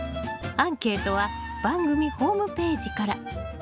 アンケートは番組ホームページから。